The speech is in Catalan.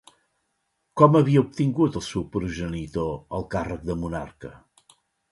Com havia obtingut el seu progenitor el càrrec de monarca?